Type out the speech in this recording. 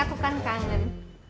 aku kan kangen